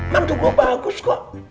man cukup bagus kok